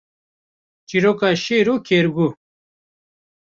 Çîroka Şêr û Kerguh